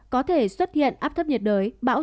có thể xuất hiện át thấp nhiệt đới bão